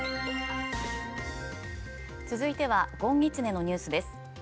続いてはごんぎつねのニュースです。